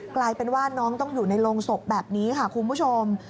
กลายเป็นว่าน้องต้องอยู่ในโรงศพแบบนี้ค่ะคุณผู้ชม